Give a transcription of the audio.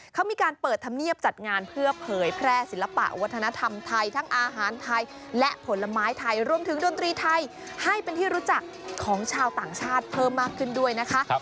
เขามีการเปิดธรรมเนียบจัดงานเพื่อเผยแพร่ศิลปะวัฒนธรรมไทยทั้งอาหารไทยและผลไม้ไทยรวมถึงดนตรีไทยให้เป็นที่รู้จักของชาวต่างชาติเพิ่มมากขึ้นด้วยนะคะ